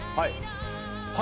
はい。